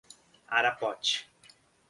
Arapoti